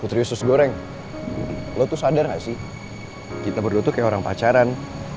putri usus goreng lo tuh sadar gak sih kita berdua tuh kayak orang pacaran